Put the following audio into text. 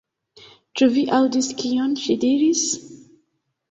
Ĉu vi aŭdis kion ŝi diris?